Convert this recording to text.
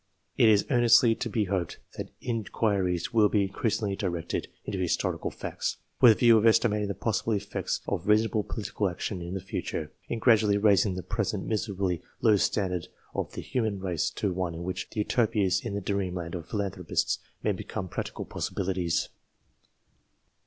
It is earnestly to be hoped that inquiries will be increasingly directed into historical facts, with tha view of estimating the possible effects of reasonable political action in the future, in gra dually raising the present miserably low standard of the human race to one in which the Utopias in the dreamland of philanthropists may become practical possibilities.